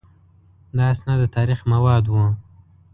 دا اسناد د تاریخ مواد وو.